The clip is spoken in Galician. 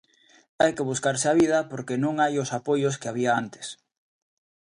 Hai que buscarse a vida porque non hai os apoios que había antes.